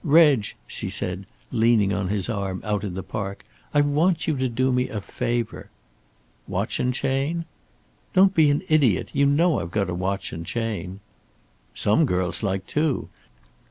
"Reg," she said, leaning on his arm out in the park, "I want you to do me a favour." "Watch and chain?" "Don't be an idiot. You know I've got a watch and chain." "Some girls like two.